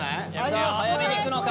早めに行くのか？